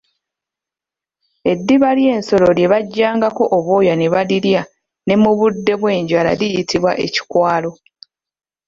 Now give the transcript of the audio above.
Eddiba ly'ensolo lye bajjangako obwoya ne balirya ne mu budde obw'enjala liyitibwa Ekikwalo.